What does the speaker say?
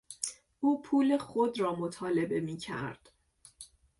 او پول خود را مطالبه میکرد.